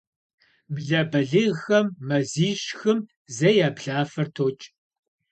Блэ балигъхэм мазищ-хым зэ я блафэр токӏ.